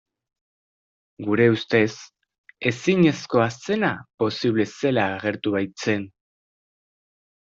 Gure ustez ezinezkoa zena posible zela agertu baitzen.